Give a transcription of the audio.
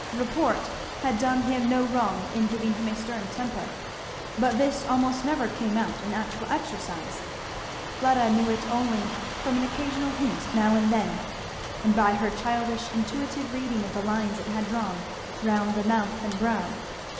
Report had done him no wrong in giving him a stern temper; but this almost never came out in actual exercise; Fleda knew it only from an occasional hint now and then, and by her childish intuitive reading of the lines it had drawn round the mouth and brow.